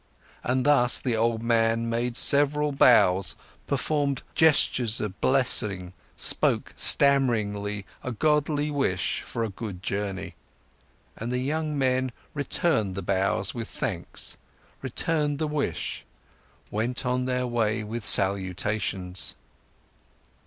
And thus, the old man made several bows, performed gestures of blessing, spoke stammeringly a godly wish for a good journey. And the young men returned the bows with thanks, returned the wish, went on their way with salutations.